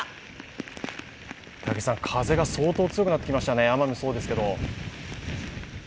風が相当強くなってきましたね、雨もそうですけど。